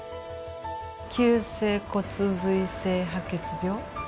急性骨髄性白血病。